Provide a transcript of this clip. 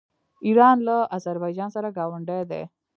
ایران له اذربایجان سره ګاونډی دی.